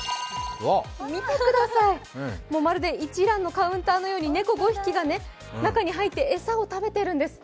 見てください、まるで一蘭のカウンターのように猫５匹が中に入って餌を食べているんです。